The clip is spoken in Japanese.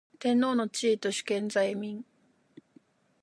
天皇の地位と主権在民